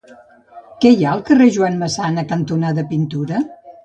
Què hi ha al carrer Joan Massana cantonada Pintura?